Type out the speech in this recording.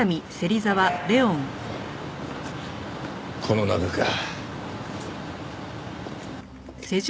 この中か。